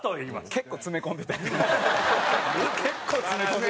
結構詰め込んでたね。